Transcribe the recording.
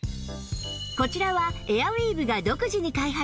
こちらはエアウィーヴが独自に開発した素材